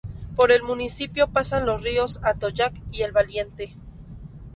Por el municipio pasan los ríos Atoyac y El Valiente.